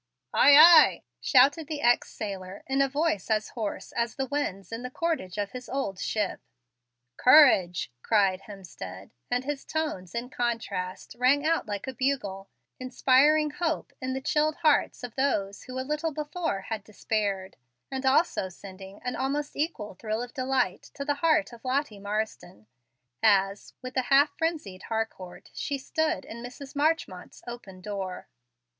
"Ay, ay," shouted the ex sailor in a voice as hoarse as the winds in the cordage of his old ship. "Courage!" cried Hemstead; and his tones, in contrast, rang out like a bugle, inspiring hope in the chilled hearts of those who, a little before, had despaired, and also sending an almost equal thrill of delight to the heart of Lottie Marsden, as, with the half frenzied Harcourt, she stood in Mrs. Marchmont's open door.